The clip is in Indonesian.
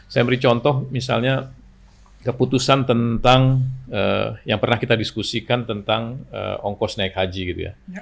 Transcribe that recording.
saya beri contoh misalnya keputusan tentang yang pernah kita diskusikan tentang ongkos naik haji gitu ya